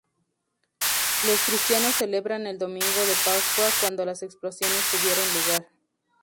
Los cristianos celebraban el domingo de pascua cuando las explosiones tuvieron lugar.